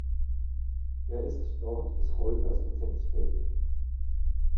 Er ist dort bis heute als Dozent tätig.